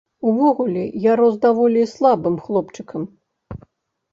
Увогуле, я рос даволі слабым хлопчыкам.